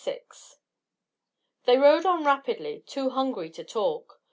VI They rode on rapidly, too hungry to talk.